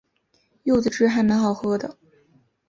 柚子汁还蛮好喝的